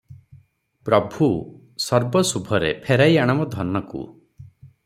ପ୍ରଭୁ! ସର୍ବଶୁଭରେ ଫେରାଇ ଆଣ ମୋ ଧନକୁ ।